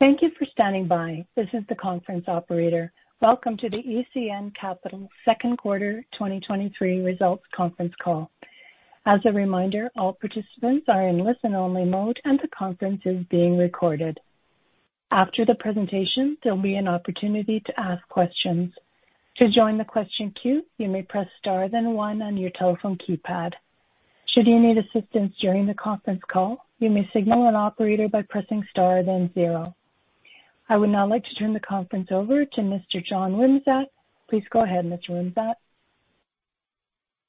Thank you for standing by. This is the conference operator. Welcome to the ECN Capital Second Quarter 2023 results conference call. As a reminder, all participants are in listen-only mode, and the conference is being recorded. After the presentation, there will be an opportunity to ask questions. To join the question queue, you may press star, then one on your telephone keypad. Should you need assistance during the conference call, you may signal an operator by pressing star, then zero. I would now like to turn the conference over to Mr. John Wimsatt. Please go ahead, Mr. Wimsatt.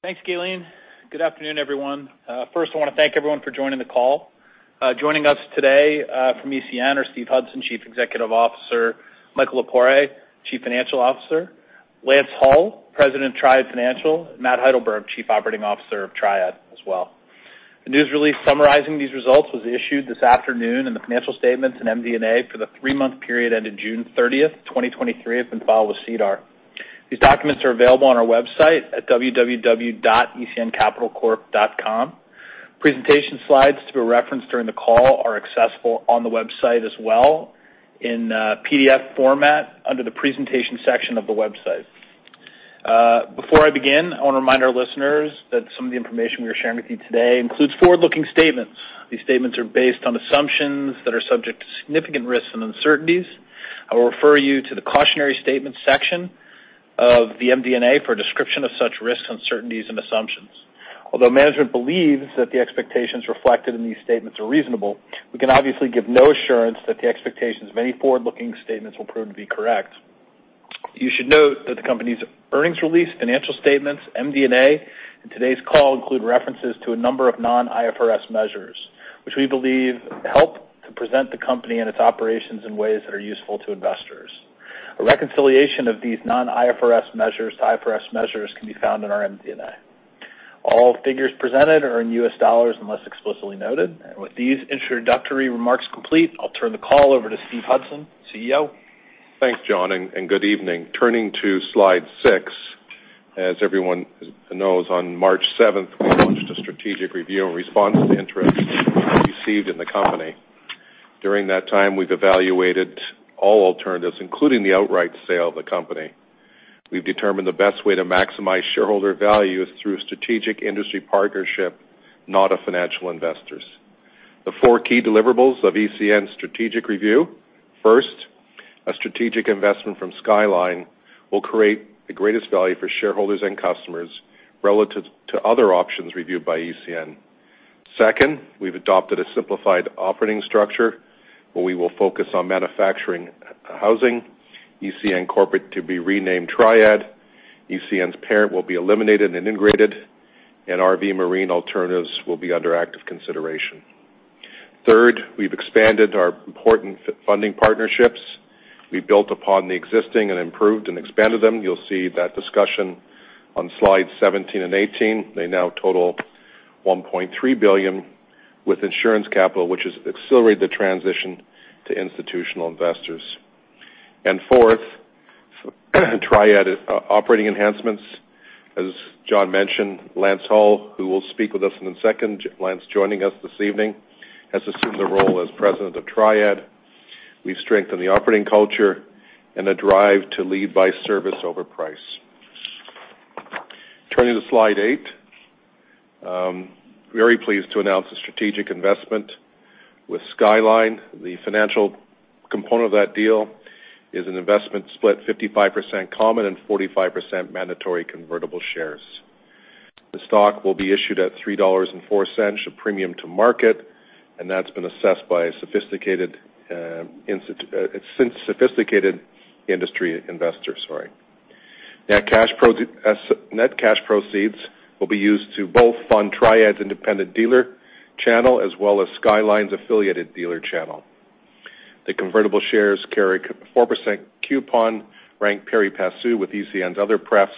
Thanks, Gillian. Good afternoon, everyone. First, I want to thank everyone for joining the call. Joining us today from ECN are Steve Hudson, Chief Executive Officer, Michael Lepore, Chief Financial Officer, Lance Hull, President of Triad Financial, Matt Heidelberg, Chief Operating Officer of Triad as well. The news release summarizing these results was issued this afternoon. The financial statements in MD&A for the three month period ended June 30, 2023, have been filed with SEDAR. These documents are available on our website at www.ecncapitalcorp.com. Presentation slides to be referenced during the call are accessible on the website as well in PDF format under the Presentation section of the website. Before I begin, I want to remind our listeners that some of the information we are sharing with you today includes forward-looking statements. These statements are based on assumptions that are subject to significant risks and uncertainties. I will refer you to the Cautionary Statements section of the MD&A for a description of such risks, uncertainties and assumptions. Although management believes that the expectations reflected in these statements are reasonable, we can obviously give no assurance that the expectations of any forward-looking statements will prove to be correct. You should note that the company's earnings release, financial statements, MD&A, and today's call include references to a number of non-IFRS measures, which we believe help to present the company and its operations in ways that are useful to investors. A reconciliation of these non-IFRS measures to IFRS measures can be found in our MD&A. All figures presented are in U.S. dollars unless explicitly noted. With these introductory remarks complete, I'll turn the call over to Steve Hudson, CEO. Thanks, John, and good evening. Turning to slide six. As everyone knows, on March 7th, we launched a strategic review in response to the interest we received in the company. During that time, we've evaluated all alternatives, including the outright sale of the company. We've determined the best way to maximize shareholder value is through strategic industry partnership, not of financial investors. The four key deliverables of ECN's strategic review: First, a strategic investment from Skyline will create the greatest value for shareholders and customers relative to other options reviewed by ECN. Second, we've adopted a simplified operating structure, where we will focus on manufactured housing, ECN Corporate to be renamed Triad. ECN's parent will be eliminated and integrated, and RV Marine alternatives will be under active consideration. Third, we've expanded our important funding partnerships. We built upon the existing and improved and expanded them. You'll see that discussion on slide 17 and 18. They now total $1.3 billion with insurance capital, which has accelerated the transition to institutional investors. Fourth, Triad operating enhancements. As John mentioned, Lance Hull, who will speak with us in a second. Lance, joining us this evening, has assumed the role as President of Triad. We've strengthened the operating culture and a drive to lead by service over price. Turning to slide eight, very pleased to announce a strategic investment with Skyline. The financial component of that deal is an investment split 55% common and 45% mandatory convertible shares. The stock will be issued at $3.04, a premium to market, and that's been assessed by a sophisticated industry investor. Sorry. Net cash proceeds will be used to both fund Triad's independent dealer channel as well as Skyline's affiliated dealer channel. The convertible shares carry 4% coupon, ranked pari passu with ECN's other press.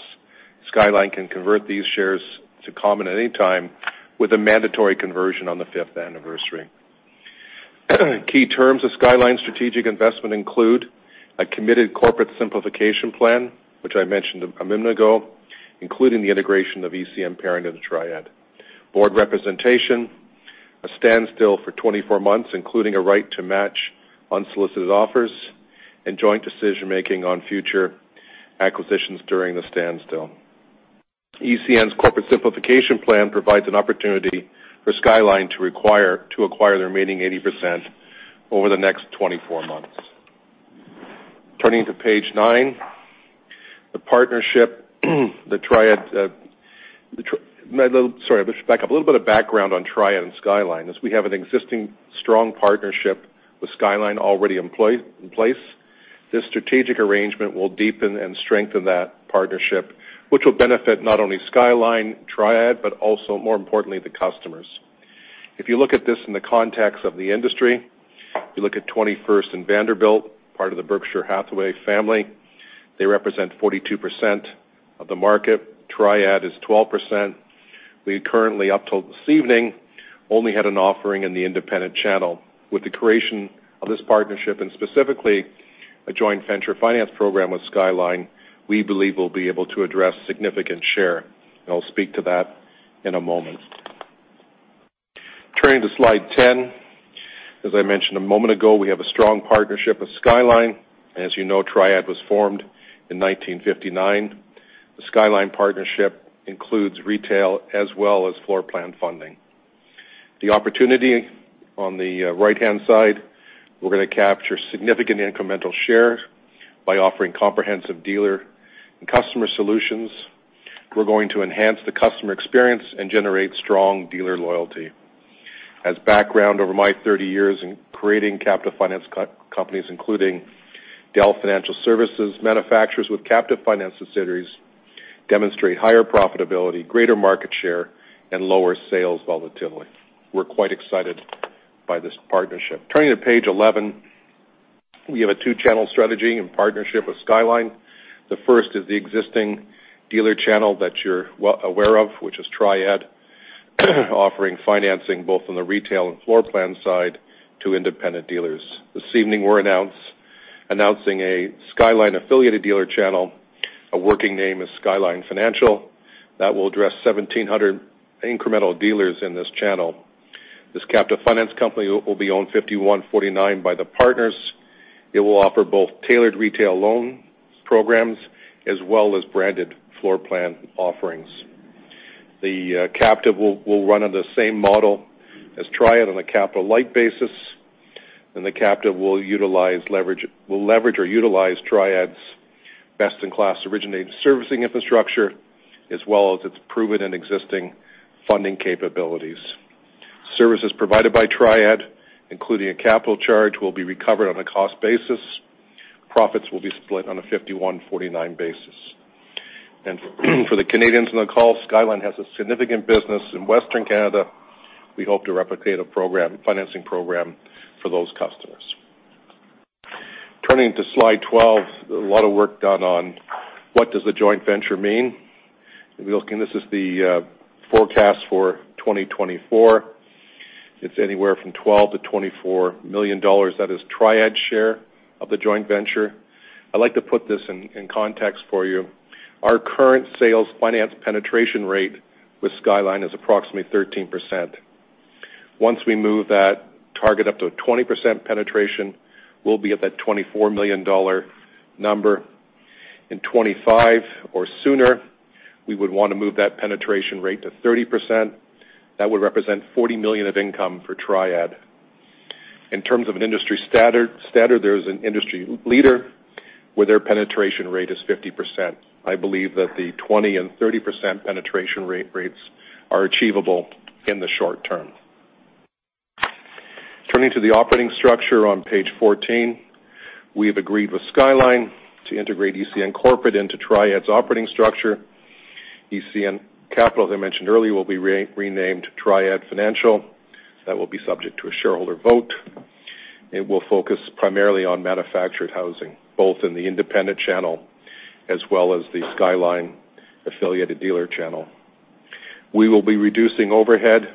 Skyline can convert these shares to common at any time with a mandatory conversion on the 5th anniversary. Key terms of Skyline's strategic investment include a committed corporate simplification plan, which I mentioned a minute ago, including the integration of ECN parent into Triad. Board representation, a standstill for 24 months, including a right to match unsolicited offers and joint decision-making on future acquisitions during the standstill. ECN's corporate simplification plan provides an opportunity for Skyline to require. To acquire their remaining 80% over the next 24 months. Turning to page nine, the partnership, the Triad, the sorry, I should back up. A little bit of background on Triad and Skyline, as we have an existing strong partnership with Skyline already employed in place. This strategic arrangement will deepen and strengthen that partnership, which will benefit not only Skyline, Triad, but also, more importantly, the customers. If you look at this in the context of the industry, you look at 21st and Vanderbilt, part of the Berkshire Hathaway family, they represent 42% of the market. Triad is 12%. We currently, up till this evening, only had an offering in the independent channel. With the creation of this partnership, a joint venture finance program with Skyline, we believe will be able to address significant share, and I'll speak to that in a moment. Turning to slide 10, as I mentioned a moment ago, we have a strong partnership with Skyline. As you know, Triad was formed in 1959. The Skyline partnership includes retail as well as floor plan funding. The opportunity on the right-hand side, we're gonna capture significant incremental share by offering comprehensive dealer and customer solutions. We're going to enhance the customer experience and generate strong dealer loyalty. As background, over my 30 years in creating captive finance companies, including Dell Financial Services, manufacturers with captive finance facilities demonstrate higher profitability, greater market share, and lower sales volatility. We're quite excited by this partnership. Turning to page 11, we have a two-channel strategy in partnership with Skyline. The first is the existing dealer channel that you're well aware of, which is Triad, offering financing both on the retail and floor plan side to independent dealers. This evening, we're announcing a Skyline-affiliated dealer channel. A working name is Skyline Financial. That will address 1,700 incremental dealers in this channel. This captive finance company will be owned 51-49 by the partners. It will offer both tailored retail loan programs as well as branded floor plan offerings. The captive will run on the same model as Triad on a capital-light basis, and the captive will leverage or utilize Triad's best-in-class originated servicing infrastructure, as well as its proven and existing funding capabilities. Services provided by Triad, including a capital charge, will be recovered on a cost basis. Profits will be split on a 51-49 basis. For the Canadians on the call, Skyline has a significant business in Western Canada. We hope to replicate a program, financing program for those customers. Turning to slide 12, a lot of work done on what does the joint venture mean? If you look, this is the forecast for 2024. It's anywhere from $12 million-$24 million. That is Triad's share of the joint venture. I'd like to put this in context for you. Our current sales finance penetration rate with Skyline is approximately 13%. Once we move that target up to a 20% penetration, we'll be at that $24 million number. In 2025 or sooner, we would wanna move that penetration rate to 30%. That would represent $40 million of income for Triad. In terms of an industry standard, there is an industry leader where their penetration rate is 50%. I believe that the 20% and 30% penetration rates are achievable in the short term. Turning to the operating structure on page 14, we have agreed with Skyline to integrate ECN Corporate into Triad's operating structure. ECN Capital, as I mentioned earlier, will be renamed Triad Financial. That will be subject to a shareholder vote. It will focus primarily on manufactured housing, both in the independent channel as well as the Skyline-affiliated dealer channel. We will be reducing overhead.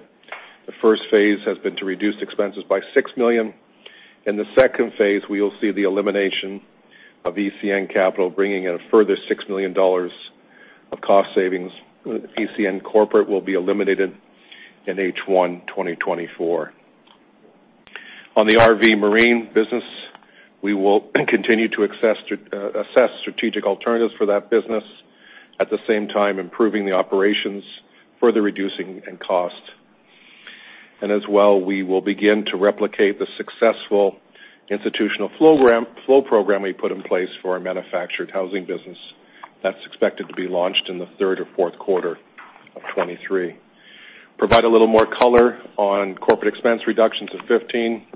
The first phase has been to reduce expenses by $6 million. In the second phase, we will see the elimination of ECN Capital, bringing in a further $6 million of cost savings. ECN Corporate will be eliminated in H1 2024. On the RV Marine business, we will continue to access assess strategic alternatives for that business, at the same time, improving the operations, further reducing in cost. As well, we will begin to replicate the successful institutional flow program we put in place for our manufactured housing business. That's expected to be launched in the third or fourth quarter of 2023. Provide a little more color on corporate expense reductions of 15.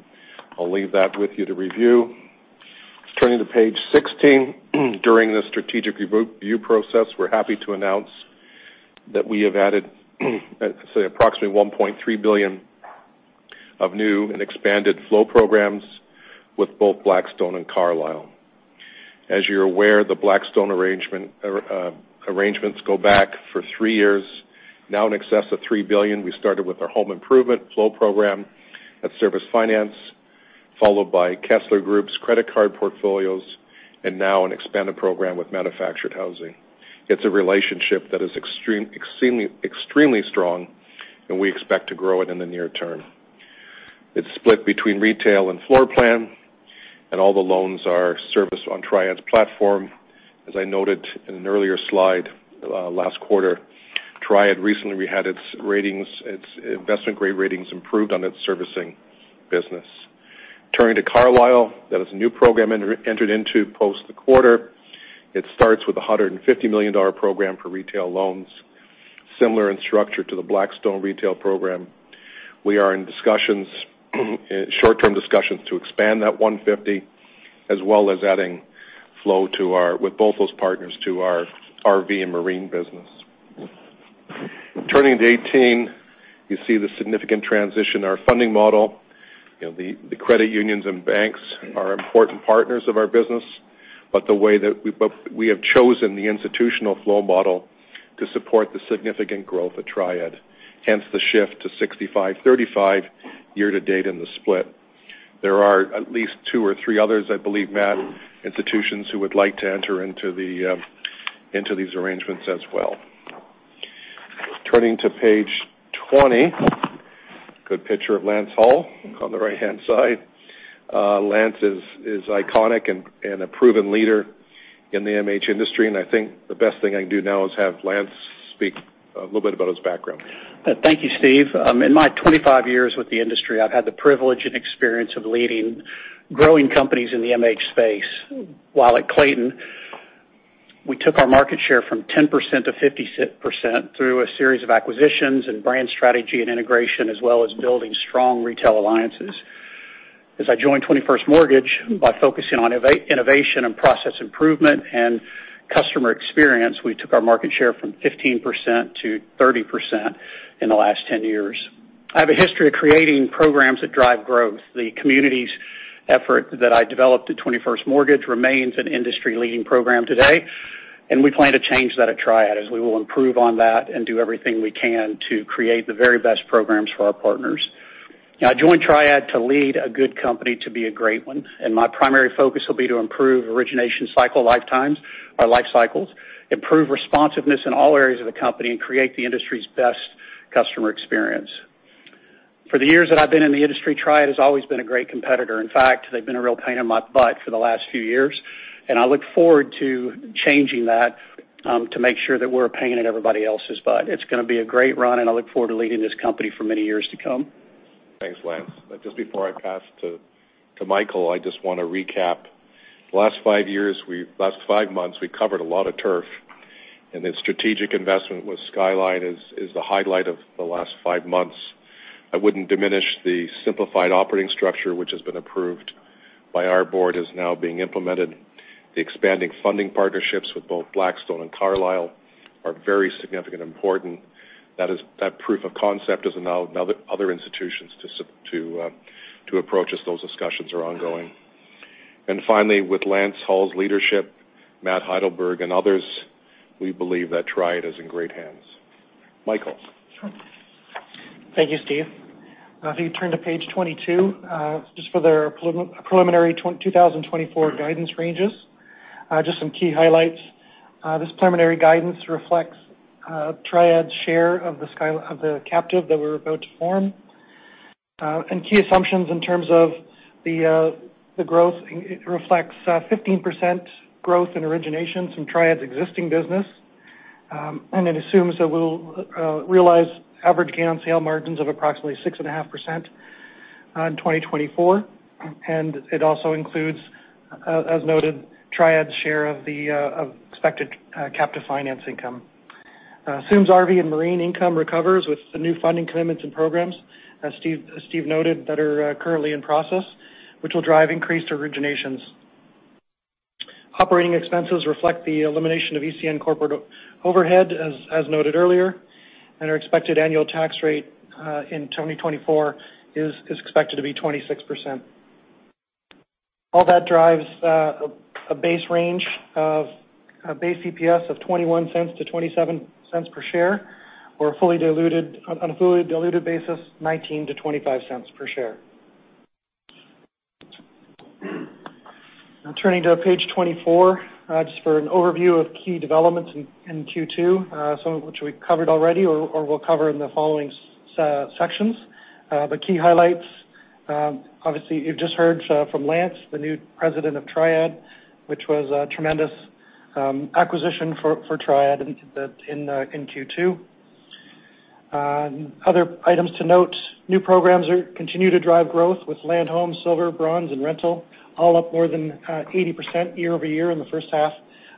I'll leave that with you to review. Turning to page 16, during the strategic review process, we're happy to announce that we have added, let's say, approximately $1.3 billion of new and expanded flow programs with both Blackstone and Carlyle. As you're aware, the Blackstone arrangement, arrangements go back for three years, now in excess of $3 billion. We started with our home improvement flow program at Service Finance, followed by The Kessler Group's credit card portfolios, and now an expanded program with manufactured housing. It's a relationship that is extremely, extremely strong, and we expect to grow it in the near term. It's split between retail and floor plan, and all the loans are serviced on Triad's platform. As I noted in an earlier slide, last quarter, Triad recently had its ratings, its investment-grade ratings improved on its servicing business. Turning to Carlyle, that is a new program entered into post the quarter. It starts with a $150 million program for retail loans, similar in structure to the Blackstone retail program. We are in discussions, short-term discussions to expand that 150, as well as adding flow with both those partners, to our RV and Marine business. Turning to 18, you see the significant transition. Our funding model, you know, the credit unions and banks are important partners of our business. The way that we, we have chosen the institutional flow model to support the significant growth of Triad, hence the shift to 65-35 year-to-date in the split. There are at least two or three others, I believe, Matt, institutions who would like to enter into the, into these arrangements as well. Turning to page 20, good picture of Lance Hull on the right-hand side. Lance is, is iconic and, and a proven leader in the MH industry, and I think the best thing I can do now is have Lance speak a little bit about his background. Thank you, Steve. In my 25 years with the industry, I've had the privilege and experience of leading growing companies in the MH space. While at Clayton, we took our market share from 10% to 50% through a series of acquisitions and brand strategy and integration, as well as building strong retail alliances. As I joined 21st Mortgage, by focusing on innovation and process improvement and customer experience, we took our market share from 15%-30% in the last 10 years. I have a history of creating programs that drive growth. The communities effort that I developed at 21st Mortgage remains an industry-leading program today, and we plan to change that at Triad as we will improve on that and do everything we can to create the very best programs for our partners. I joined Triad to lead a good company to be a great one, and my primary focus will be to improve origination cycle lifetimes or life cycles, improve responsiveness in all areas of the company, and create the industry's best customer experience. For the years that I've been in the industry, Triad has always been a great competitor. In fact, they've been a real pain in my butt for the last few years, and I look forward to changing that, to make sure that we're a pain in everybody else's butt. It's gonna be a great run, and I look forward to leading this company for many years to come. Thanks, Lance. Just before I pass to Michael, I just want to recap. The last five years, last five months, we covered a lot of turf, and the strategic investment with Skyline is the highlight of the last five months. I wouldn't diminish the simplified operating structure, which has been approved by our board, is now being implemented. The expanding funding partnerships with both Blackstone and Carlyle are very significant important. That proof of concept is allowing other institutions to approach us. Those discussions are ongoing. Finally, with Lance Hull's leadership, Matt Heidelberg, and others, we believe that Triad is in great hands. Michael? Sure. Thank you, Steve. If you turn to page 22, just for the preliminary 2024 guidance ranges, just some key highlights. This preliminary guidance reflects Triad's share of the Skyline captive that we're about to form. And key assumptions in terms of the growth, it reflects 15% growth in origination from Triad's existing business. And it assumes that we'll realize average gain on sale margins of approximately 6.5% in 2024, and it also includes, as noted, Triad's share of the expected captive finance income. Assumes RV and Marine income recovers with the new funding commitments and programs, as Steve, Steve noted, that are currently in process, which will drive increased originations. Operating expenses reflect the elimination of ECN Corporate overhead, as, as noted earlier, and our expected annual tax rate in 2024 is expected to be 26%. All that drives a base range of a base EPS of $0.21-$0.27 per share, or a fully diluted, on a fully diluted basis, $0.19-$0.25 per share. Now, turning to page 24, just for an overview of key developments in Q2, some of which we covered already or we'll cover in the following sections. But key highlights, obviously, you've just heard from Lance, the new president of Triad, which was a tremendous acquisition for Triad in Q2. Other items to note, new programs continue to drive growth with Land Home, Silver, Bronze, and Rental, all up more than 80% year-over-year in the first half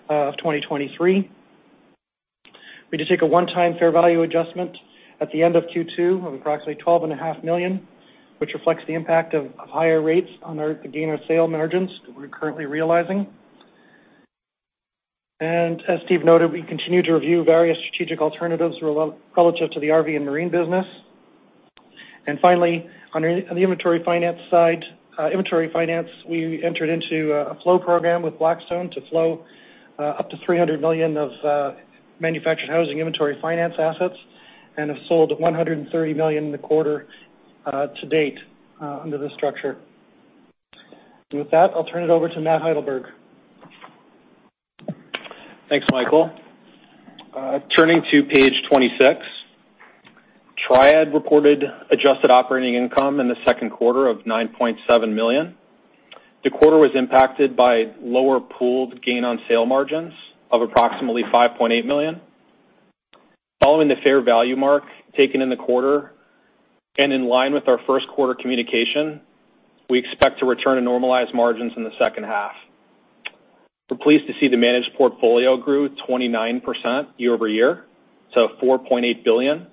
of 2023. We did take a one time fair value adjustment at the end of Q2 of approximately $12.5 million, which reflects the impact of higher rates on our gain on sale margins that we're currently realizing. As Steve noted, we continue to review various strategic alternatives relative to the RV and Marine business. Finally, on the inventory finance side, inventory finance, we entered into a flow program with Blackstone to flow up to $300 million of manufactured housing inventory finance assets and have sold $130 million in the quarter to date under this structure. With that, I'll turn it over to Matt Heidelberg. Thanks, Michael. Turning to page 26, Triad reported adjusted operating income in the second quarter of $9.7 million. The quarter was impacted by lower pooled gain on sale margins of approximately $5.8 million. Following the fair value mark taken in the quarter, in line with our first quarter communication, we expect to return to normalized margins in the second half. We're pleased to see the managed portfolio grew 29% year-over-year, so $4.8 billion.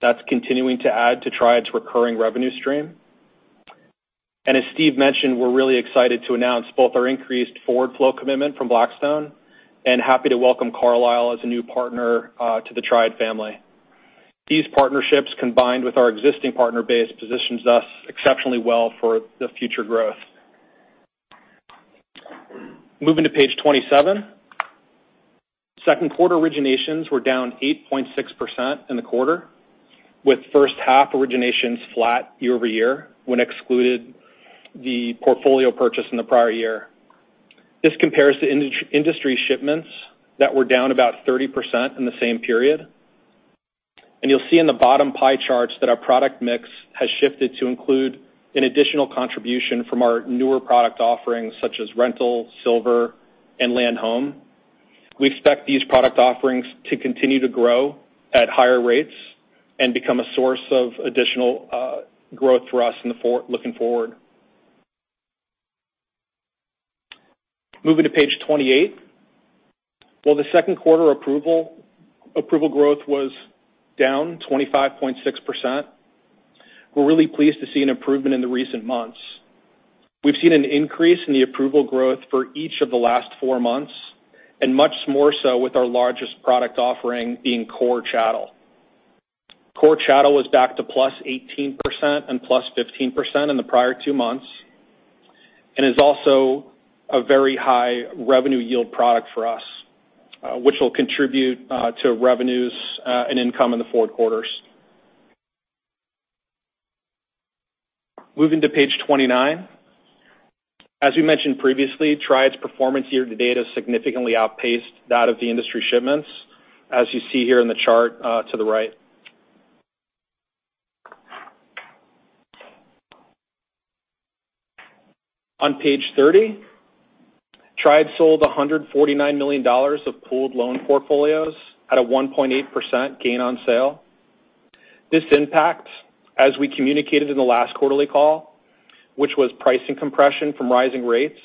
That's continuing to add to Triad's recurring revenue stream. As Steve mentioned, we're really excited to announce both our increased forward flow commitment from Blackstone and happy to welcome Carlyle as a new partner to the Triad family. These partnerships, combined with our existing partner base, positions us exceptionally well for the future growth. Moving to page 27. Second quarter originations were down 8.6% in the quarter, with first half originations flat year-over-year, when excluded the portfolio purchase in the prior year. This compares to industry shipments that were down about 30% in the same period. You'll see in the bottom pie charts that our product mix has shifted to include an additional contribution from our newer product offerings, such as Rental, Silver, and Land Home. We expect these product offerings to continue to grow at higher rates and become a source of additional growth for us in the looking forward. Moving to page 28. While the second quarter approval growth was down 25.6%, we're really pleased to see an improvement in the recent months. We've seen an increase in the approval growth for each of the last four months. Much more so with our largest product offering being Core Chattel. Core Chattel is back to +18% and +15% in the prior two months. Is also a very high revenue yield product for us, which will contribute to revenues and income in the forward quarters. Moving to page 29. As we mentioned previously, Triad's performance year-to-date has significantly outpaced that of the industry shipments, as you see here in the chart to the right. On page 30, Triad sold $149 million of pooled loan portfolios at a 1.8% gain on sale. This impact, as we communicated in the last quarterly call, which was pricing compression from rising rates,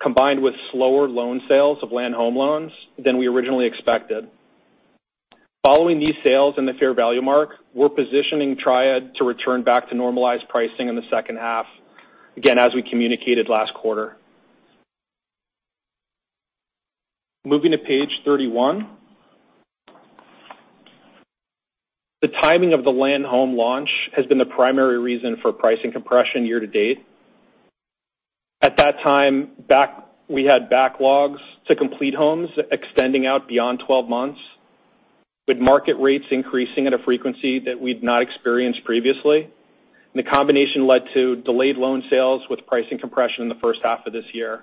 combined with slower loan sales of Land Home loans than we originally expected. Following these sales in the fair value mark, we're positioning Triad to return back to normalized pricing in the second half, again, as we communicated last quarter. Moving to page 31. The timing of the Land Home launch has been the primary reason for pricing compression year-to-date. At that time, we had backlogs to complete homes extending out beyond 12 months, with market rates increasing at a frequency that we'd not experienced previously. The combination led to delayed loan sales with pricing compression in the first half of this year.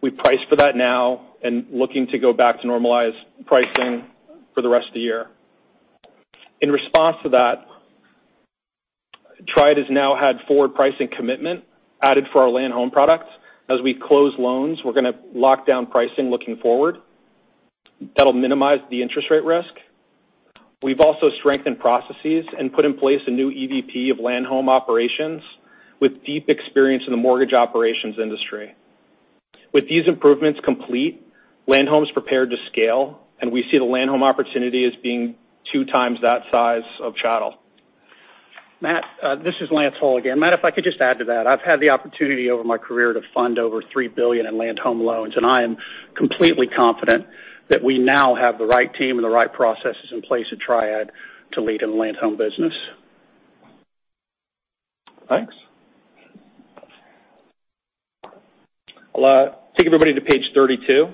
We priced for that now and looking to go back to normalized pricing for the rest of the year. In response to that, Triad has now had forward pricing commitment added for our Land Home products. As we close loans, we're gonna lock down pricing looking forward. That'll minimize the interest rate risk. We've also strengthened processes and put in place a new EVP of Land Home operations, with deep experience in the mortgage operations industry. With these improvements complete, Land Home is prepared to scale, and we see the Land Home opportunity as being 2 times that size of Chattel. Matt, this is Lance Hull again. Matt, if I could just add to that. I've had the opportunity over my career to fund over $3 billion in Land Home loans, and I am completely confident that we now have the right team and the right processes in place at Triad to lead in the Land Home business. Thanks. I'll take everybody to page 32.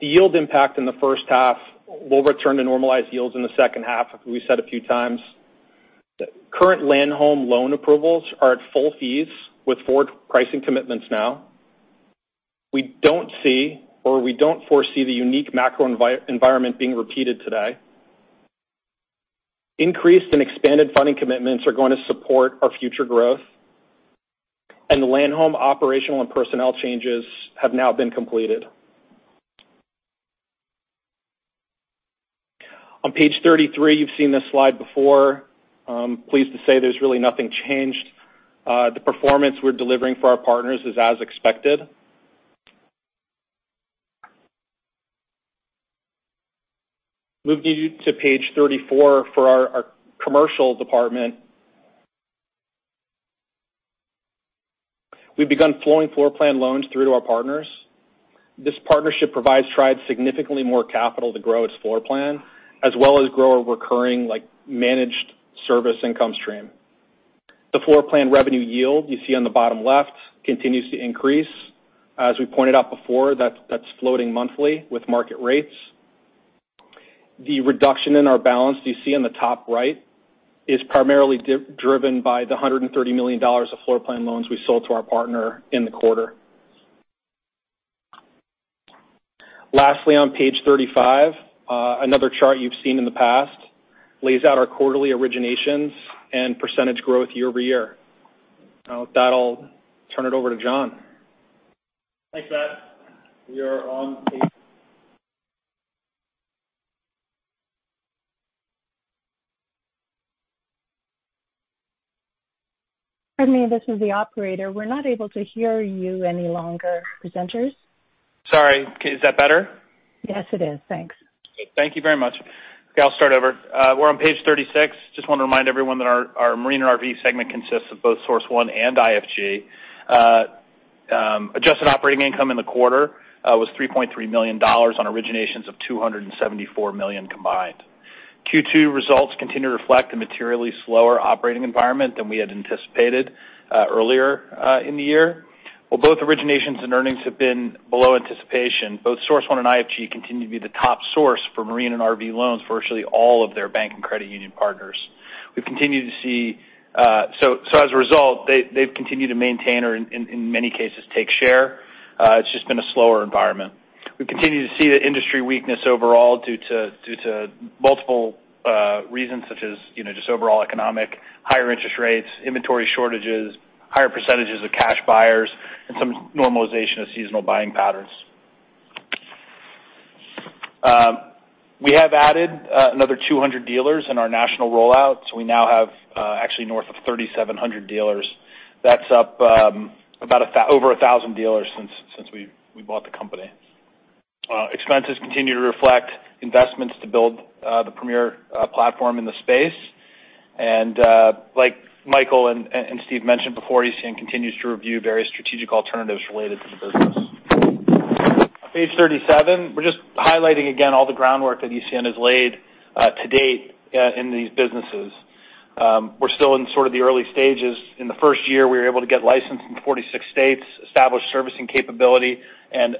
The yield impact in the first half will return to normalized yields in the second half. We've said a few times, current Land Home loan approvals are at full fees, with forward pricing commitments now. We don't see, or we don't foresee, the unique macro environment being repeated today. Increased and expanded funding commitments are going to support our future growth, the Land Home operational and personnel changes have now been completed. On page 33, you've seen this slide before. Pleased to say there's really nothing changed. The performance we're delivering for our partners is as expected. Moving you to page 34 for our, our commercial department. We've begun flowing floorplan loans through to our partners. This partnership provides Triad significantly more capital to grow its floorplan, as well as grow a recurring, like, managed service income stream. The floorplan revenue yield, you see on the bottom left, continues to increase. As we pointed out before, that's floating monthly with market rates. The reduction in our balance, you see in the top right, is primarily driven by the $130 million of floorplan loans we sold to our partner in the quarter. Lastly, on page 35, another chart you've seen in the past, lays out our quarterly originations and % growth year-over-year. With that, I'll turn it over to John. Thanks, Matt. We are on page. Pardon me, this is the operator. We're not able to hear you any longer, presenters. Sorry, is that better? Yes, it is. Thanks. Thank you very much. Okay, I'll start over. We're on page 36. Just want to remind everyone that our, our Marine RV segment consists of both Source One and IFG. Adjusted operating income in the quarter was $3.3 million on originations of $274 million combined. Q2 results continue to reflect a materially slower operating environment than we had anticipated earlier in the year. While both originations and earnings have been below anticipation, both Source One and IFG continue to be the top source for Marine and RV loans for virtually all of their bank and credit union partners. We've continued to see, as a result, they've continued to maintain or in many cases, take share. It's just been a slower environment. We continue to see the industry weakness overall due to multiple reasons, such as, you know, just overall economic, higher interest rates, inventory shortages, higher percentage of cash buyers, and some normalization of seasonal buying patterns. We have added another 200 dealers in our national rollout, so we now have actually north of 3,700 dealers. That's up over 1,000 dealers since, since we, we bought the company. Expenses continue to reflect investments to build the premier platform in the space. Like Michael and Steve mentioned before, ECN continues to review various strategic alternatives related to the business. Page 37, we're just highlighting again all the groundwork that ECN has laid to date in these businesses. We're still in sort of the early stages. In the first year, we were able to get licensed in 46 states, establish servicing capability, and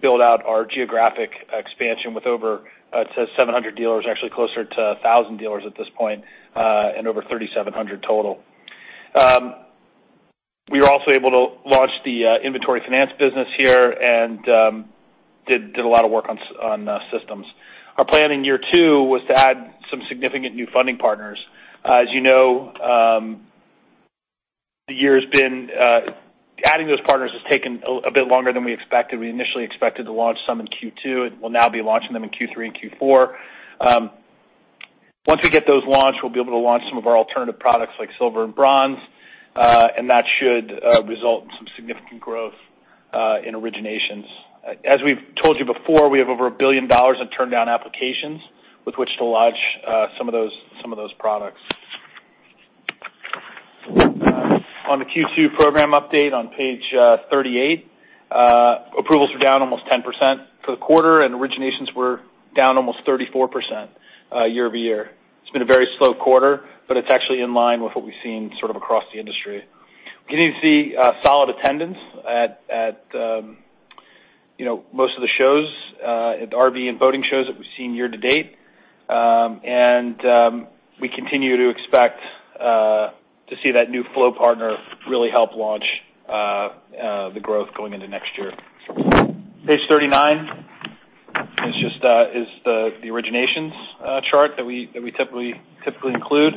build out our geographic expansion with over to 700 dealers, actually closer to 1,000 dealers at this point, and over 3,700 total. We were also able to launch the inventory finance business here and did a lot of work on systems. Our plan in year two was to add some significant new funding partners. As you know, the year has been. Adding those partners has taken a bit longer than we expected. We initially expected to launch some in Q2, and we'll now be launching them in Q3 and Q4. Once we get those launched, we'll be able to launch some of our alternative products like Silver and Bronze, and that should result in some significant growth in originations. As we've told you before, we have over $1 billion in turned down applications with which to launch some of those, some of those products. On the Q2 program update on page 38, approvals were down almost 10% for the quarter, and originations were down almost 34% year-over-year. It's been a very slow quarter, but it's actually in line with what we've seen sort of across the industry. We continue to see solid attendance at, at, you know, most of the shows at the RV and boating shows that we've seen year to date. We continue to expect to see that new flow partner really help launch the growth going into next year. Page 39 is just, is the, the originations, chart that we, that we typically, typically include.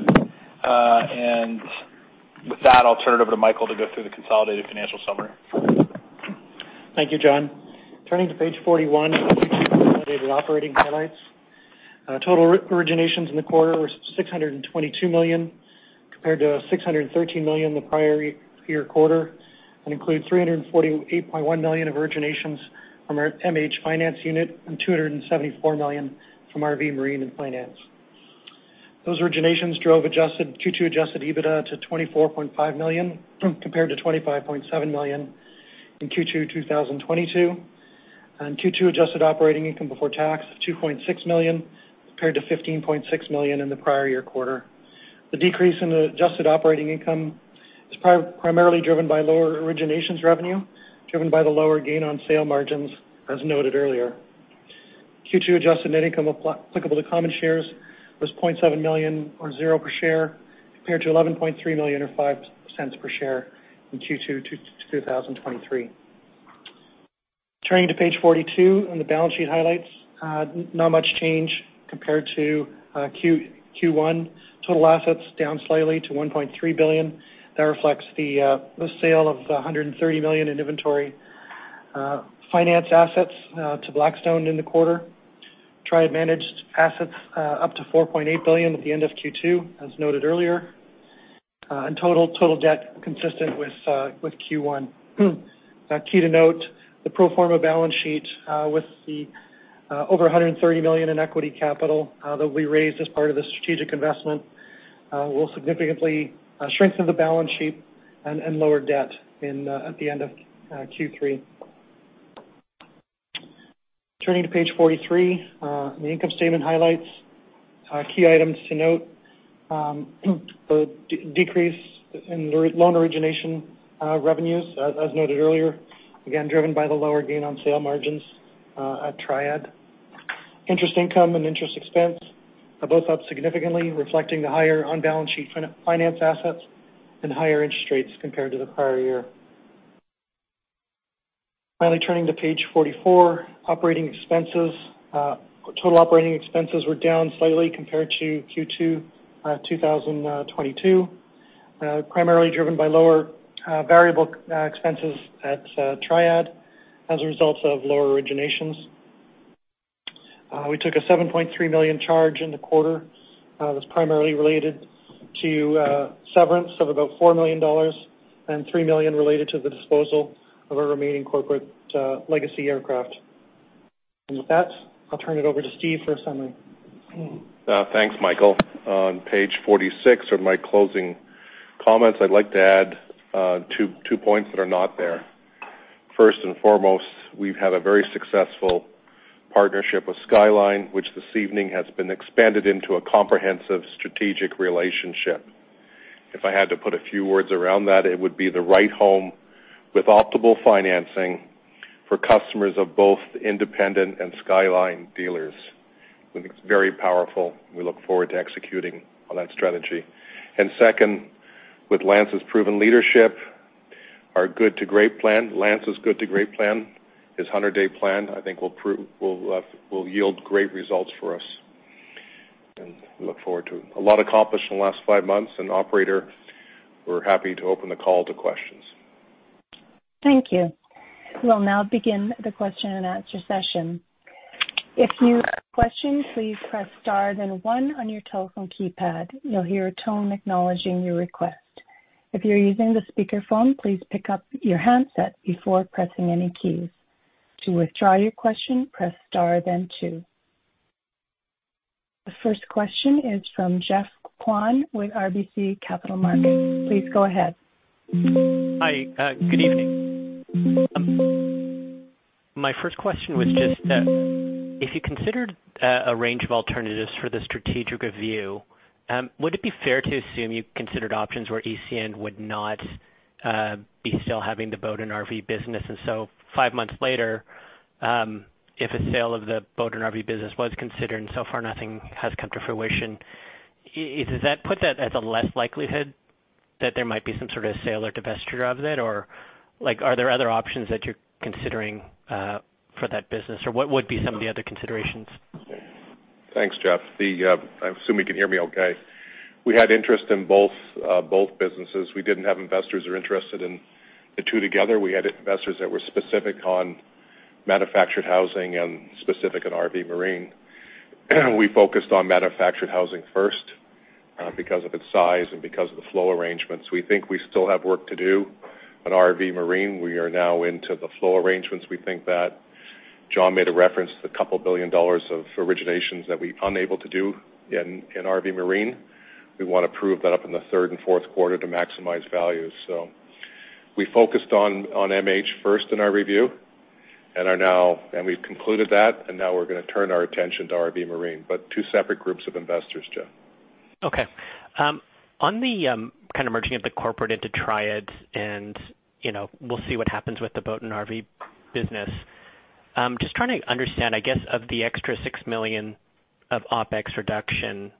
With that, I'll turn it over to Michael to go through the consolidated financial summary. Thank you, John. Turning to page 41, Q2 consolidated operating highlights. Total or originations in the quarter were $622 million, compared to $613 million in the prior year quarter, and include $348.1 million of originations from our MH Finance unit and $274 million from RV Marine and Finance. Those originations drove adjusted Q2 adjusted EBITDA to $24.5 million, compared to $25.7 million in Q2 2022, and Q2 adjusted operating income before tax of $2.6 million, compared to $15.6 million in the prior year quarter. The decrease in the adjusted operating income is pri- primarily driven by lower originations revenue, driven by the lower gain on sale margins, as noted earlier. Q2 adjusted net income applicable to common shares was $0.7 million or $0 per share, compared to $11.3 million or $0.5 per share in Q2 2023. Turning to page 42 on the balance sheet highlights, not much change compared to Q1. Total assets down slightly to $1.3 billion. That reflects the sale of $130 million in inventory finance assets to Blackstone in the quarter. Triad managed assets up to $4.8 billion at the end of Q2, as noted earlier, and total debt consistent with Q1. Now, key to note, the pro forma balance sheet, with the over $130 million in equity capital that we raised as part of the strategic investment, will significantly strengthen the balance sheet and lower debt at the end of Q3. Turning to page 43, the income statement highlights. Key items to note, the decrease in the loan origination revenues, as noted earlier, again, driven by the lower gain on sale margins at Triad. Interest income and interest expense are both up significantly, reflecting the higher on-balance sheet finance assets and higher interest rates compared to the prior year. Finally, turning to page 44, operating expenses. Total operating expenses were down slightly compared to Q2 2022, primarily driven by lower variable expenses at Triad as a result of lower originations. We took a $7.3 million charge in the quarter. That's primarily related to severance of about $4 million and $3 million related to the disposal of our remaining corporate legacy aircraft. With that, I'll turn it over to Steve for a summary. Thanks, Michael. On page 46, on my closing comments, I'd like to add two points that are not there. First and foremost, we've had a very successful partnership with Skyline, which this evening has been expanded into a comprehensive strategic relationship. If I had to put a few words around that, it would be the right home with optimal financing for customers of both independent and Skyline dealers. We think it's very powerful. We look forward to executing on that strategy. Second, with Lance's proven leadership, our Good to Great plan, Lance's Good to Great plan, his 100 day plan, I think will prove will yield great results for us, and we look forward to it. A lot accomplished in the last five months, and operator, we're happy to open the call to questions. Thank you. We'll now begin the question and answer session. If you have a question, please press star, then one on your telephone keypad. You'll hear a tone acknowledging your request. If you're using the speaker phone, please pick up your handset before pressing any keys. To withdraw your question, press star, then two. The first question is from Geoffrey Kwan with RBC Capital Markets. Please go ahead. Hi, good evening. My first question was just, if you considered a range of alternatives for the strategic review, would it be fair to assume you considered options where ECN would not be still having the boat and RV business? Five months later, if a sale of the boat and RV business was considered, and so far nothing has come to fruition, does that put that as a less likelihood that there might be some sort of sale or divestiture of it? Like, are there other options that you're considering for that business? What would be some of the other considerations? Thanks, Geoff. The, I assume you can hear me okay. We had interest in both, both businesses. We didn't have investors who are interested in the two together. We had investors that were specific on manufactured housing and specific on RV Marine. We focused on manufactured housing first, because of its size and because of the flow arrangements. We think we still have work to do on RV Marine. We are now into the flow arrangements. We think that John made a reference to the $2 billion of originations that we're unable to do in, in RV Marine. We want to prove that up in the third and fourth quarter to maximize value. we focused on, on MH first in our review and are now, and we've concluded that, and now we're gonna turn our attention to RV Marine, but two separate groups of investors, Geoff. Okay. On the kind of merging of the corporate into Triad and, you know, we'll see what happens with the boat and RV business. Just trying to understand, I guess, of the extra $6 million of OpEx reduction,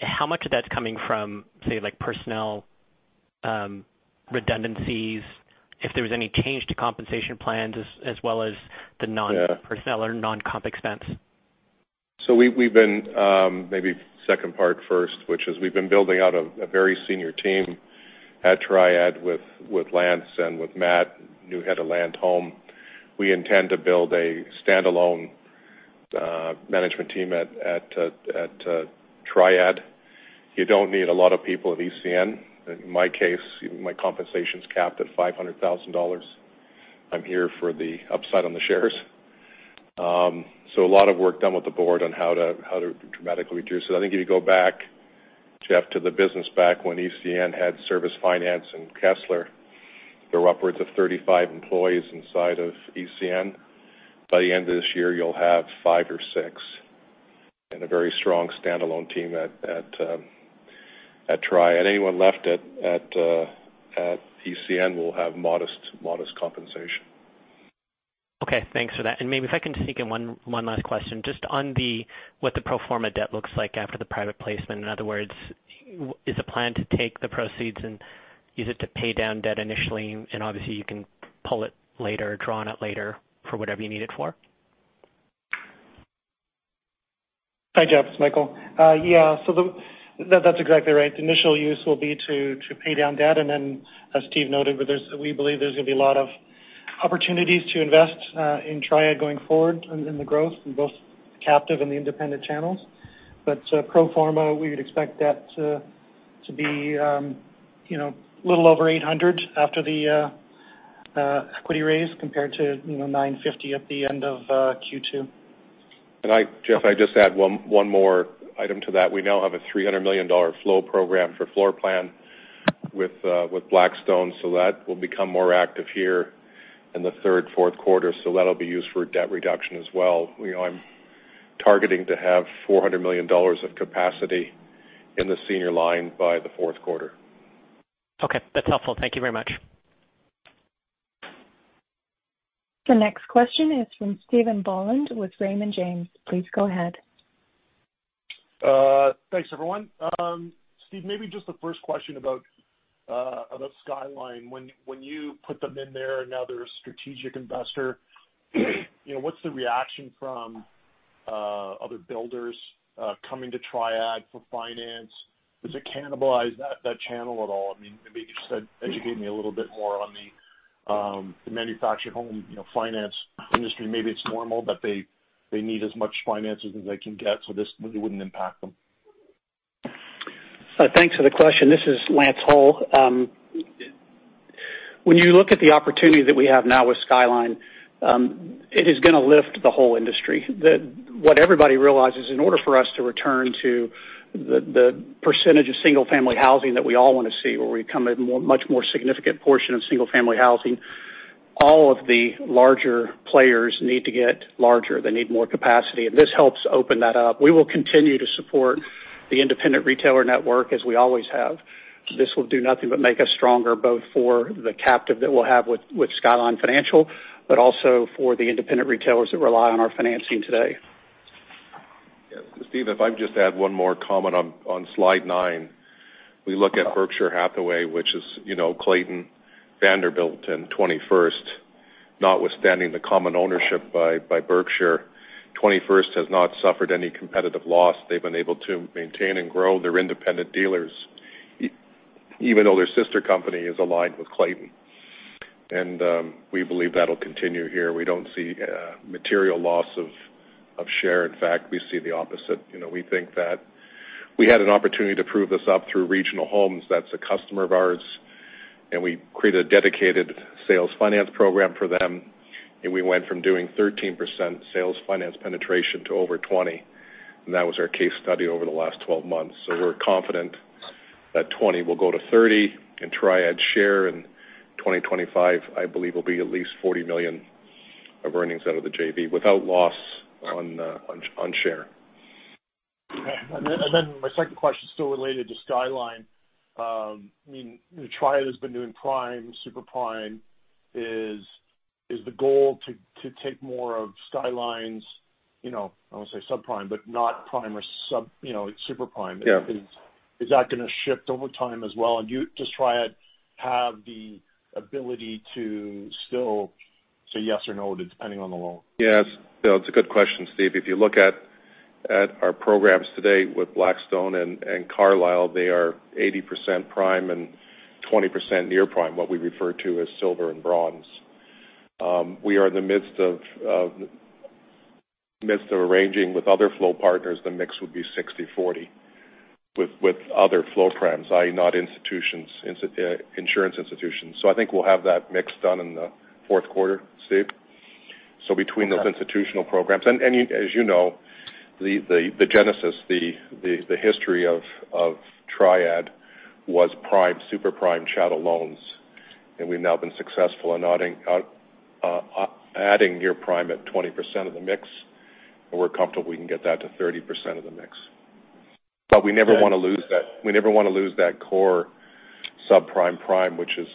how much of that's coming from, say, like, personnel, redundancies, if there was any change to compensation plans, as, as well as the non. Yeah. Personnel or non-comp expense? We've been, maybe second part first, which is we've been building out a very senior team at Triad with Lance and with Matt, new head of Land Home. We intend to build a standalone management team at Triad. You don't need a lot of people at ECN. In my case, my compensation is capped at $500,000. I'm here for the upside on the shares. A lot of work done with the board on how to dramatically reduce it. I think if you go back, Geoff, to the business back when ECN had Service Finance and Kessler, there were upwards of 35 employees inside of ECN. By the end of this year, you'll have five or six and a very strong standalone team at Triad. Anyone left at, at, at ECN will have modest, modest compensation. Okay, thanks for that. Maybe if I can sneak in one, one last question, just on the, what the pro forma debt looks like after the private placement. In other words, is the plan to take the proceeds and use it to pay down debt initially, and obviously, you can pull it later, draw on it later for whatever you need it for? Hi, Geoff, it's Michael. Yeah, that, that's exactly right. The initial use will be to, to pay down debt, and then as Steve Hudson noted, there's we believe there's going to be a lot of opportunities to invest in Triad going forward in, in the growth, in both captive and the independent channels. pro forma, we would expect that to, to be, you know, a little over $800 after the equity raise, compared to, you know, $950 at the end of Q2. I, Geoff, I just add one, one more item to that. We now have a $300 million flow program for floor plan with Blackstone, so that will become more active here in the third, fourth quarter. That'll be used for debt reduction as well. You know, I'm targeting to have $400 million of capacity in the senior line by the fourth quarter. Okay, that's helpful. Thank you very much. The next question is from Stephen Boland with Raymond James. Please go ahead. Thanks, everyone. Steve, maybe just the first question about Skyline. When, when you put them in there, and now they're a strategic investor, you know, what's the reaction from other builders coming to Triad for finance? Does it cannibalize that, that channel at all? I mean, maybe you said, educate me a little bit more on the manufactured home, you know, finance industry. Maybe it's normal that they, they need as much financing as they can get, so this really wouldn't impact them. Thanks for the question. This is Lance Hull. When you look at the opportunity that we have now with Skyline, it is going to lift the whole industry. What everybody realizes, in order for us to return to the, the percentage of single-family housing that we all want to see, where we come in more, much more significant portion of single-family housing, all of the larger players need to get larger. They need more capacity. This helps open that up. We will continue to support the independent retailer network as we always have. This will do nothing but make us stronger, both for the captive that we'll have with, with Skyline Financial, also for the independent retailers that rely on our financing today. Yeah, Steve, if I may just add one more comment on, on slide nine. We look at Berkshire Hathaway, which is, you know, Clayton, Vanderbilt, and 21st. Notwithstanding the common ownership by, by Berkshire, 21st has not suffered any competitive loss. They've been able to maintain and grow their independent dealers, even though their sister company is aligned with Clayton. We believe that'll continue here. We don't see a material loss of, of share. In fact, we see the opposite. You know, we think that we had an opportunity to prove this up through Regional Homes. That's a customer of ours, and we created a dedicated sales finance program for them, and we went from doing 13% sales finance penetration to over 20%, and that was our case study over the last 12 months. We're confident that 20 will go to 30, and Triad share in 2025, I believe, will be at least $40 million of earnings out of the JV without loss on, on share. My second question, still related to Skyline. I mean, Triad has been doing prime, Super-prime. Is, is the goal to, to take more of Skyline's, you know, I won't say subprime, but not prime or sub, you know, Super-prime? Yeah. Is that going to shift over time as well? Does Triad have the ability to still say yes or no, depending on the loan? Yes. thats, it's a good question, Steph. If you look at our programs today with Blackstone and Carlyle, they are 80% prime and 20% near-prime, what we refer to as Silver and Bronze. We are in the midst of arranging with other flow partners. The mix would be 60/40 with other flow primes, i.e., not institutions, insurance institutions. I think we'll have that mix done in the fourth quarter, Steve. Between those institutional programs. as you know, the genesis, the history of Triad was prime, super-prime chattel loans, and we've now been successful in adding near-prime at 20% of the mix, and we're comfortable we can get that to 30% of the mix. We never want to lose that, we never want to lose that core subprime, prime, which is,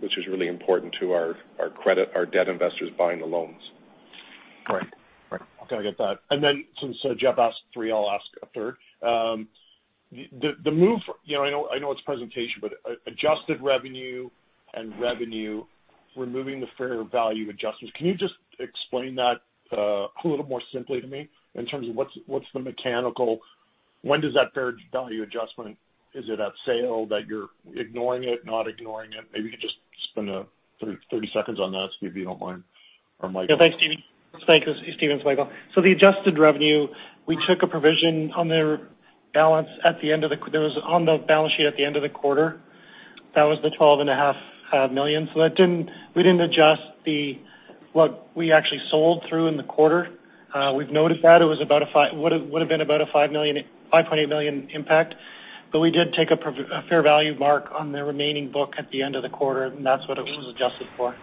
which is really important to our, our credit, our debt investors buying the loans. Right. Right. I get that. Then since Geoff asked three, I'll ask a third. The move, you know, I know, I know it's presentation, but adjusted revenue and revenue, removing the fair value adjustments, can you just explain that a little more simply to me in terms of what's the mechanical? When does that fair value adjustment, is it at sale, that you're ignoring it, not ignoring it? Maybe you could just spend 30, 30 seconds on that, Steve, if you don't mind, or Michael. Yeah. Thanks, Stephe. Thanks, Steve and Michael. The adjusted revenue, we took a provision on their balance at the end of it was on the balance sheet at the end of the quarter. That was the $12.5 million. That we didn't adjust the, what we actually sold through in the quarter. We've noted that. It was about would, would have been about a $5 million, $5.8 million impact, but we did take a fair value mark on the remaining book at the end of the quarter, and that's what it was adjusted for.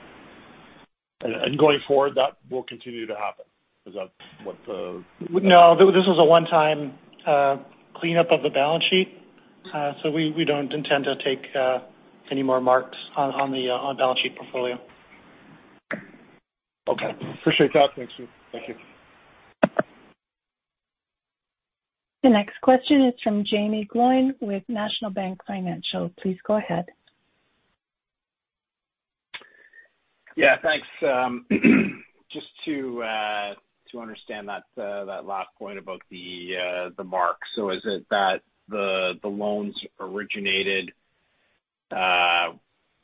Going forward, that will continue to happen. Is that what the. No, this was a one time, cleanup of the balance sheet. We, we don't intend to take, any more marks on, on the, on balance sheet portfolio. Okay. Appreciate that. Thank you. Thank you. The next question is from Jaeme Gloyn with National Bank Financial. Please go ahead. Yeah, thanks. Just to understand that last point about the mark. So is it that the loans originated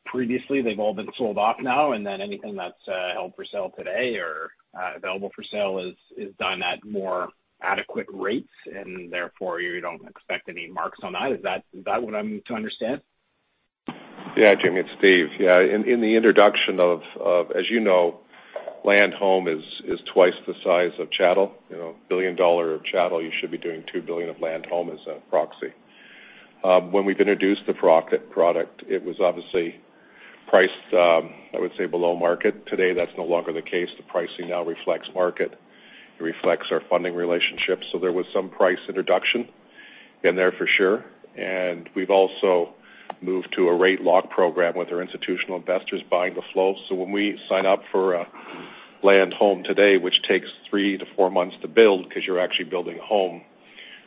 previously, they've all been sold off now, and then anything that's held for sale today or available for sale is done at more adequate rates, and therefore, you don't expect any marks on that? Is that, is that what I'm to understand? Yeah, Jaeme, it's Steve. Yeah. In the introduction, as you know, Land Home is twice the size of Chattel. You know, $1 billion of Chattel, you should be doing $2 billion of Land Home as a proxy. When we introduced the product, it was obviously priced, I would say below market. Today, that's no longer the case. The pricing now reflects market. It reflects our funding relationships. There was some price introduction in there for sure, and we've also moved to a rate lock program with our institutional investors buying the flow. When we sign up for a Land Home today, which takes three-four months to build, because you're actually building a home,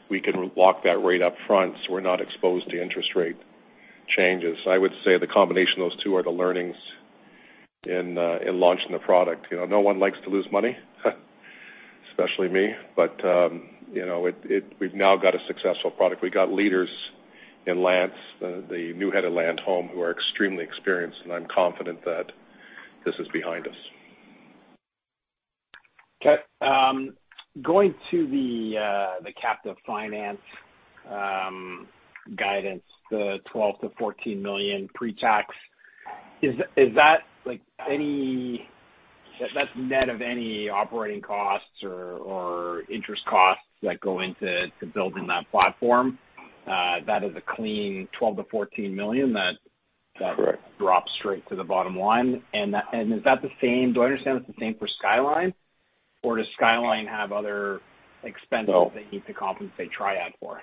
we can lock that rate up front, so we're not exposed to interest rate changes. I would say the combination of those two are the learnings in in launching the product. You know, no one likes to lose money, especially me, but, you know, we've now got a successful product. We've got leaders in Lance, the new head of Land Home, who are extremely experienced, and I'm confident that this is behind us. Okay, going to the, the captive finance guidance, the $12 million-$14 million pre-tax, is, is that like any, that's net of any operating costs or, or interest costs that go into to building that platform? That is a clean $12 million-$14 million that. Correct. drops straight to the bottom line. Is that the sameT Do I understand it's the same for Skyline, or does Skyline have other expenses? No. That you need to compensate Triad for?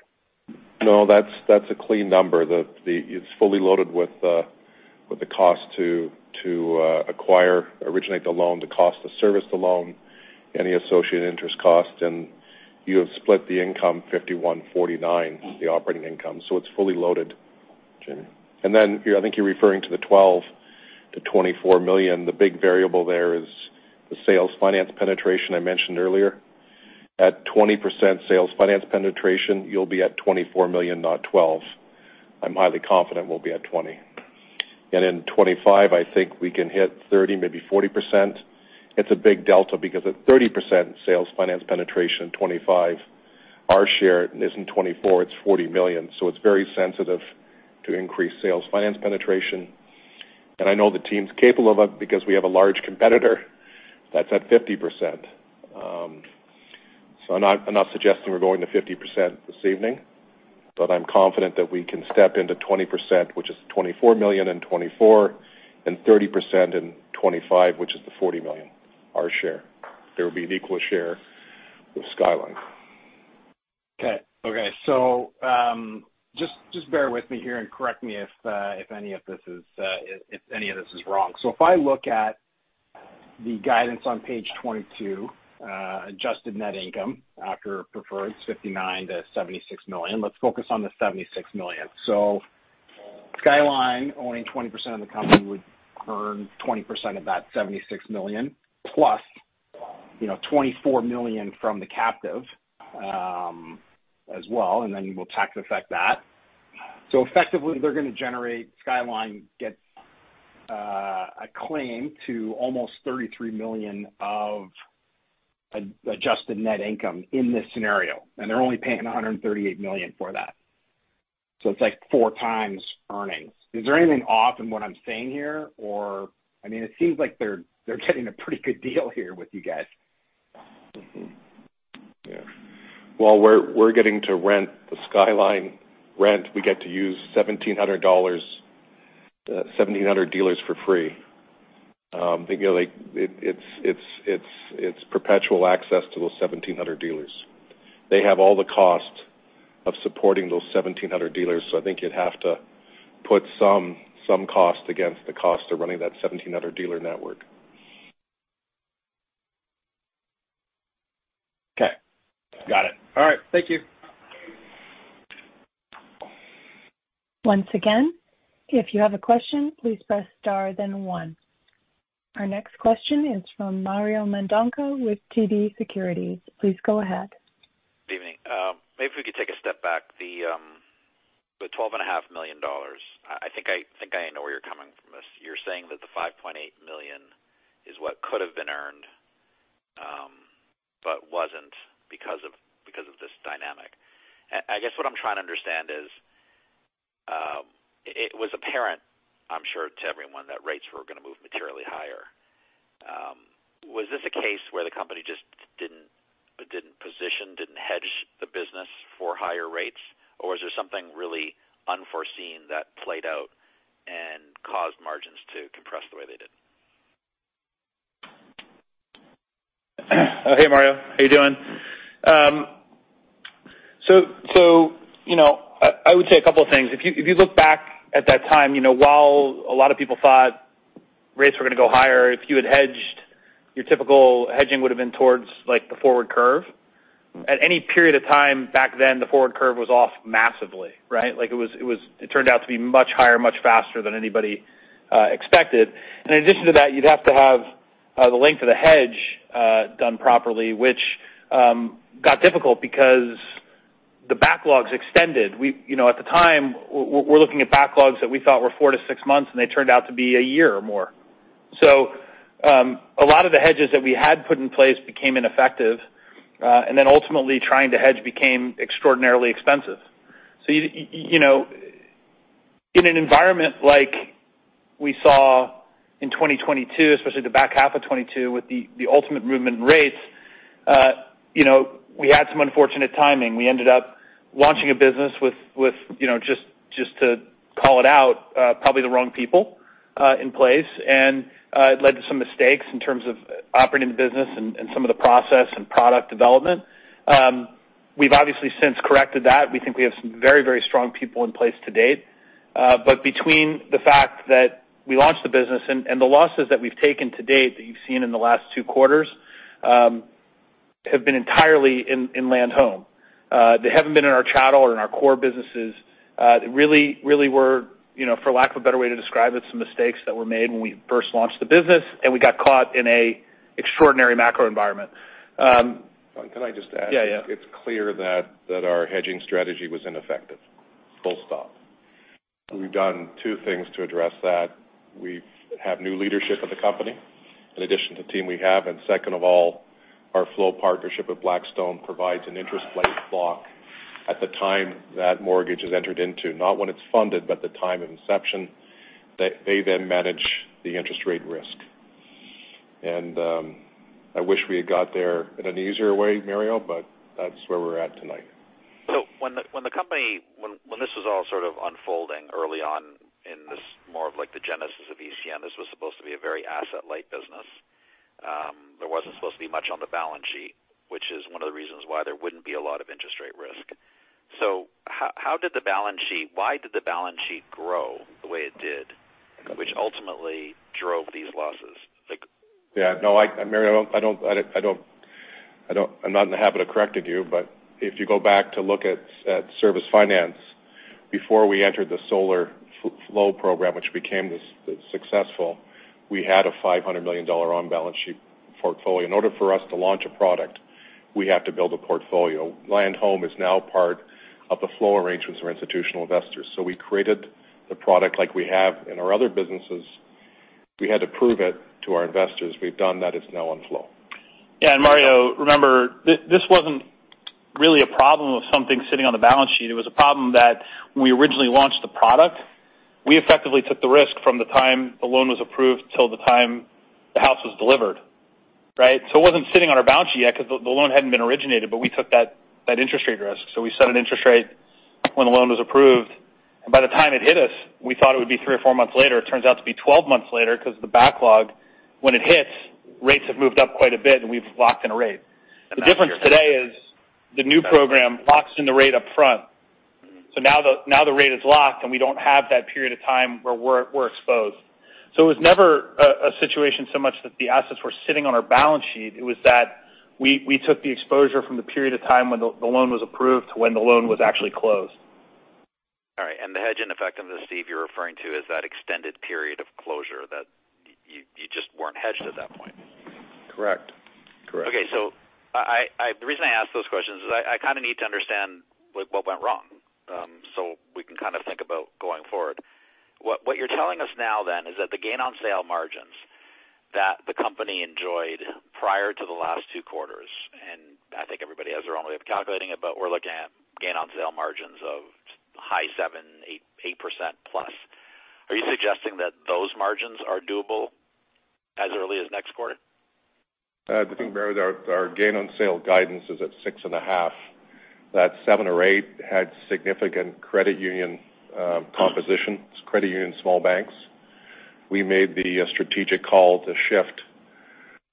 No, that's, that's a clean number. It's fully loaded with the cost to acquire, originate the loan, the cost to service the loan, any associated interest costs, and you have split the income 51-49, the operating income, so it's fully loaded. Okay. I think you're referring to the $12 million-$24 million. The big variable there is the sales finance penetration I mentioned earlier. At 20% sales finance penetration, you'll be at $24 million, not 12. I'm highly confident we'll be at 20. In 2025, I think we can hit 30, maybe 40%. It's a big delta because at 30% sales finance penetration, 2025, our share isn't 24, it's $40 million. It's very sensitive to increase sales finance penetration. I know the team's capable of it because we have a large competitor that's at 50%. I'm not, I'm not suggesting we're going to 50% this evening, but I'm confident that we can step into 20%, which is $24 million in 2024, and 30% in 2025, which is the $40 million, our share. There will be an equal share with Skyline. Okay, just bear with me here and correct me if any of this is wrong. If I look at the guidance on page 22, adjusted net income after preferred, $59 million-$76 million. Let's focus on the $76 million. Skyline, owning 20% of the company, would earn 20% of that $76 million, plus, you know, $24 million from the captive as well, and then we'll tax affect that. Effectively, they're going to generate, Skyline gets a claim to almost $33 million of adjusted net income in this scenario, and they're only paying $138 million for that. It's like 4x earnings. Is there anything off in what I'm saying here? I mean, it seems like they're getting a pretty good deal here with you guys. Mm-hmm. Yeah. Well, we're, we're getting to rent the Skyline rent. We get to use $1,700, 1,700 dealers for free. You know, like, it, it's, it's, it's, it's perpetual access to those 1,700 dealers. They have all the cost of supporting those 1,700 dealers. I think you'd have to put some, some cost against the cost of running that 1,700 dealer network. Okay. Got it. All right. Thank you. Once again, if you have a question, please press star then one. Our next question is from Mario Mendonca with TD Securities. Please go ahead. Good evening. Maybe if we could take a step back. The $12.5 million, I think I know where you're coming from this. You're saying that the $5.8 million is what could have been earned, but wasn't because of, because of this dynamic. I guess what I'm trying to understand is, it was apparent, I'm sure, to everyone that rates were going to move materially higher. Was this a case where the company just didn't, didn't position, didn't hedge the business for higher rates, or was there something really unforeseen that played out and caused margins to compress the way they did? Hey, Mario, how you doing? You know, I, I would say a couple of things. If you, if you look back at that time, you know, while a lot of people thought rates were going to go higher, if you had hedged, your typical hedging would have been towards, like, the forward curve. At any period of time back then, the forward curve was off massively, right? Like, it was, it turned out to be much higher, much faster than anybody expected. And in addition to that, you'd have to have the length of the hedge done properly, which got difficult because the backlogs extended. You know, at the time, we're looking at backlogs that we thought were four-six months, and they turned out to be a year or more. A lot of the hedges that we had put in place became ineffective, and then ultimately, trying to hedge became extraordinarily expensive. You know, in an environment like we saw in 2022, especially the back half of 2022, with the, the ultimate movement in rates, you know, we had some unfortunate timing. We ended up launching a business with, with, you know, just, just to call it out, probably the wrong people, in place. It led to some mistakes in terms of operating the business and, and some of the process and product development. We've obviously since corrected that. We think we have some very, very strong people in place to date. Between the fact that we launched the business and the losses that we've taken to date, that you've seen in the last two quarters, have been entirely in Land Home. They haven't been in our chattel or in our core businesses. They really, really were, you know, for lack of a better way to describe it, some mistakes that were made when we first launched the business, and we got caught in a extraordinary macro environment. Can I just add? Yeah, yeah. It's clear that our hedging strategy was ineffective, full stop. We've done two things to address that. We have new leadership of the company in addition to the team we have. Second of all, our flow partnership with Blackstone provides an interest rate block at the time that mortgage is entered into, not when it's funded, but the time of inception, that they then manage the interest rate risk. I wish we had got there in an easier way, Mario, but that's where we're at tonight. When the, when this was all sort of unfolding early on in this more of like the genesis of ECN, this was supposed to be a very asset-light business. There wasn't supposed to be much on the balance sheet, which is one of the reasons why there wouldn't be a lot of interest rate risk. Why did the balance sheet grow the way it did, which ultimately drove these losses? Like. Yeah. No, I, Mario, I don't, I'm not in the habit of correcting you, but if you go back to look at Service Finance, before we entered the solar flow program, which became this successful, we had a $500 million on-balance sheet portfolio. In order for us to launch a product, we have to build a portfolio. Land Home is now part of the flow arrangements for institutional investors. We created the product like we have in our other businesses. We had to prove it to our investors. We've done that. It's now on flow. Yeah, Mario, remember, this, this wasn't really a problem of something sitting on the balance sheet. It was a problem that when we originally launched the product, we effectively took the risk from the time the loan was approved till the time the house was delivered, right? It wasn't sitting on our balance sheet yet because the loan hadn't been originated, but we took that, that interest rate risk. We set an interest rate when the loan was approved, and by the time it hit us, we thought it would be three or four months later. It turns out to be 12 months later because the backlog, when it hits, rates have moved up quite a bit, and we've locked in a rate. The difference today is the new program locks in the rate up front. Now the, now the rate is locked, and we don't have that period of time where we're, we're exposed. It was never a, a situation so much that the assets were sitting on our balance sheet. It was that we, we took the exposure from the period of time when the, the loan was approved to when the loan was actually closed. All right. The hedge, in effect, and this, Steve, you're referring to, is that extended period of closure, that you just weren't hedged at that point. Correct. Correct. I, I. The reason I ask those questions is I, I kind of need to understand what went wrong, so we can kind of think about going forward. What you're telling us now, then, is that the gain on sale margins that the company enjoyed prior to the last two quarters, and I think everybody has their own way of calculating it, but we're looking at gain on sale margins of high 7%, 8%, 8%+. Are you suggesting that those margins are doable as early as next quarter? The thing, Mario, our, our gain on sale guidance is at 6.5. That seven or eight had significant credit union composition. It's credit union, small banks. We made the strategic call to shift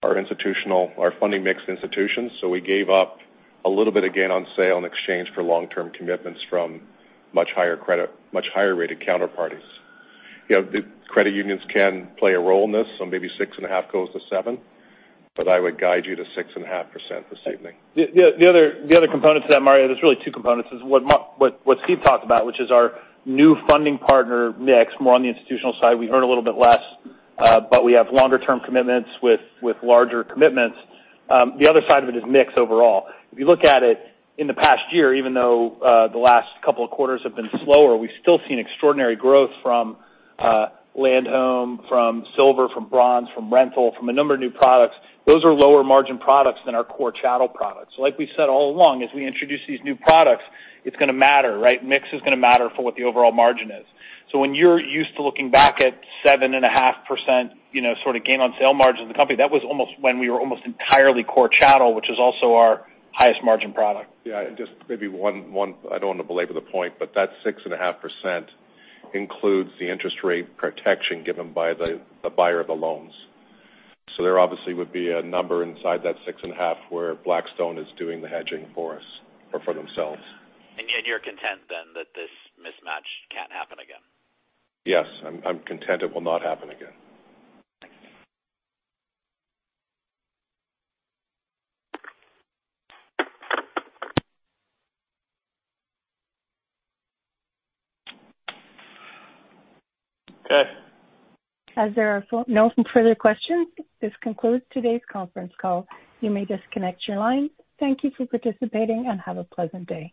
our institutional, our funding mix to institutions, so we gave up a little bit of gain on sale in exchange for long-term commitments from much higher credit, much higher-rated counterparties. You know, the credit unions can play a role in this, so maybe 6.5 goes to 7, but I would guide you to 6.5% this evening. The other, the other component to that, Mario, there's really two components, is what Mark, what Steve talked about, which is our new funding partner mix. More on the institutional side, we earn a little bit less, but we have longer-term commitments with, with larger commitments. The other side of it is mix overall. If you look at it in the past year, even though the last couple of quarters have been slower, we've still seen extraordinary growth from Land Home, from Silver, from Bronze, from Rental, from a number of new products. Those are lower margin products than our Core Chattel products. So like we've said all along, as we introduce these new products, it's gonna matter, right? Mix is gonna matter for what the overall margin is. When you're used to looking back at 7.5%, you know, sort of gain on sale margins of the company, that was almost when we were almost entirely Core Chattel, which is also our highest margin product. Yeah, just maybe one. I don't want to belabor the point, that 6.5% includes the interest rate protection given by the buyer of the loans. There obviously would be a number inside that 6.5 where Blackstone is doing the hedging for us or for themselves. Yet you're content then that this mismatch can't happen again? Yes, I'm, I'm content it will not happen again. Thank you. As there are no further questions, this concludes today's conference call. You may disconnect your line. Thank you for participating and have a pleasant day.